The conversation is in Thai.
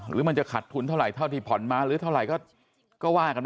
หรือมันจะขัดทุนเท่าไหรเท่าที่ผ่อนมาหรือเท่าไหร่ก็ว่ากันไป